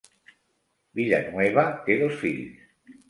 Villanueva té dos fills.